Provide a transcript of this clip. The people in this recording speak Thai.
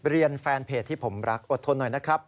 แฟนเพจที่ผมรักอดทนหน่อยนะครับ